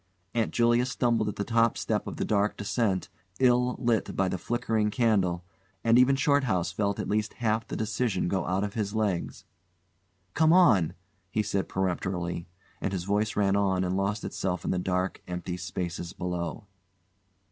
Aunt Julia stumbled at the top step of the dark descent, ill lit by the flickering candle, and even Shorthouse felt at least half the decision go out of his legs. "Come on!" he said peremptorily, and his voice ran on and lost itself in the dark, empty spaces below.